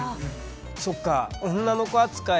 そっか。